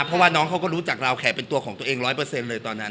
เพราะว่าน้องเขาก็รู้จักเราแขเป็นตัวของตัวเองร้อยเปอร์เซ็นต์เลยตอนนั้น